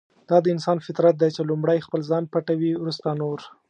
دا د انسان فطرت دی چې لومړی خپل ځان پټوي ورسته نور.